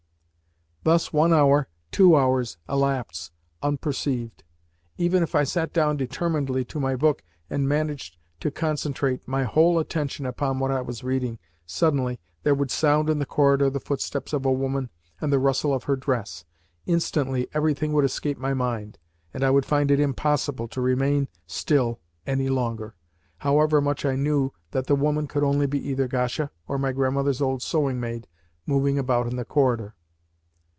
Thus one hour, two hours, elapsed unperceived. Even if I sat down determinedly to my book, and managed to concentrate my whole attention upon what I was reading, suddenly there would sound in the corridor the footsteps of a woman and the rustle of her dress. Instantly everything would escape my mind, and I would find it impossible to remain still any longer, however much I knew that the woman could only be either Gasha or my grandmother's old sewing maid moving about in the corridor.